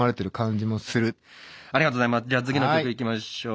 じゃあ次の曲いきましょう。